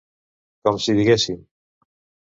Com si diguéssim.